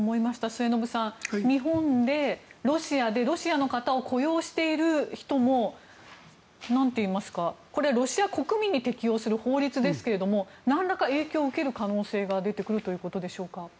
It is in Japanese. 末延さん、日本でロシアの方を雇用している人もなんていいますかこれはロシア国民に適用する法律ですがなんらか影響を受ける可能性が出てくるということでしょうか？